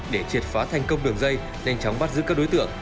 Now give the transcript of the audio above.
để triệt phá thành công đường dây nhanh chóng bắt giữ các đối tượng